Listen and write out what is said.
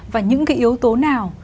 và những cái yếu tố nào